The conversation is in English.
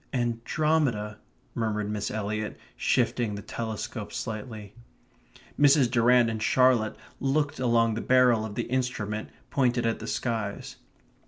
"Andromeda," murmured Miss Eliot, shifting the telescope slightly. Mrs. Durrant and Charlotte looked along the barrel of the instrument pointed at the skies.